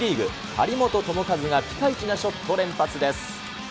張本智和がピカイチなショットを連発です。